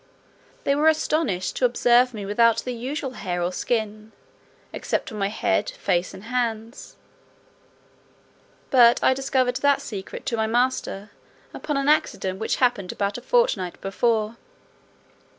They were astonished to observe me without the usual hair or skin, except on my head, face, and hands; but I discovered that secret to my master upon an accident which happened about a fortnight before.